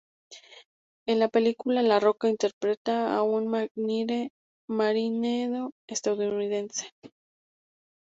En la película La Roca interpreta a un marine estadounidense.